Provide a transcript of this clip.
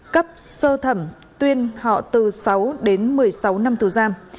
cấp sơ thẩm tuyên họ từ sáu đến một mươi sáu năm tù giam